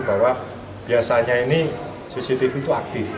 bahwa biasanya ini cctv itu aktif